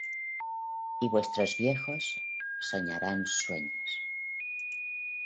Y vuestros viejos soñarán sueños: